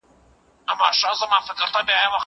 زه بايد لیکل وکړم!